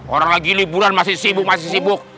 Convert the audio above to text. orang lagi liburan masih sibuk masih sibuk